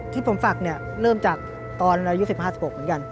ที่ผมฝักเนี่ยเริ่มจากตอนอายุ๑๕๑๖เหมือนกัน